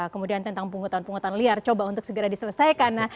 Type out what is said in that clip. kemudian tentang penghutang pungutan liar coba untuk segera diselesaikan